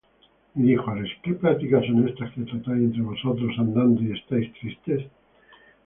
Y díjoles: ¿Qué pláticas son estas que tratáis entre vosotros andando, y estáis tristes?